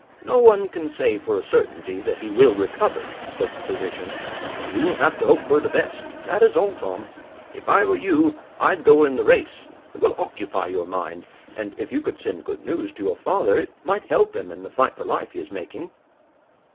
"No one can say for a certainty that he will recover," spoke the physician. "You will have to hope for the best, that is all, Tom. If I were you I'd go in the race. It will occupy your mind, and if you could send good news to your father it might help him in the fight for life he is making."